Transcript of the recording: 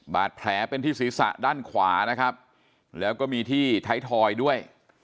บาดแผลเป็นที่ศีรษะด้านขวานะครับแล้วก็มีที่ไทยทอยด้วย